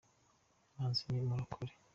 manzi ni umurokore.